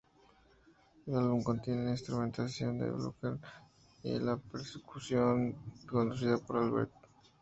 El álbum contiene la instrumentación de Buckethead y la percusión conducida por Albert.